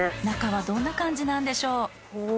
中はどんな感じなんでしょう？